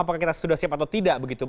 apakah kita sudah siap atau tidak begitu